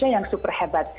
yang super hebat